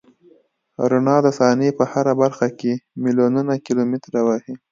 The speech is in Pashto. رڼا د ثانیې په هره برخه کې میلیونونه کیلومتره وهي.